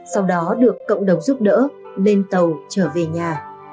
sau đó được cộng đồng giúp đỡ lên tàu trở về nhà